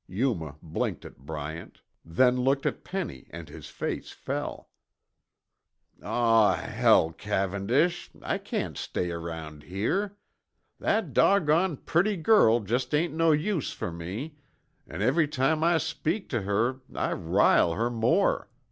Yuma blinked at Bryant, then looked at Penny and his face fell. "A w w hell, Cavendish, I cain't stay around here. That doggone purty girl jest ain't no use fer me, an' every time I speak tuh her I rile her more.